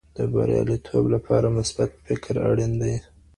د بریالیتوب لپاره مثبت فکر اړین دی.